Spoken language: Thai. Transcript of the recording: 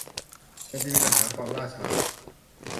ยังจะมีปัญหาความล่าช้า